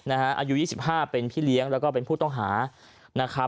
อายุ๒๕เป็นพี่เลี้ยงแล้วก็เป็นผู้ต้องหานะครับ